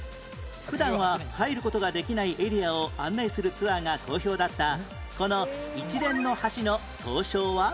普段は入る事ができないエリアを案内するツアーが好評だったこの一連の橋の総称は？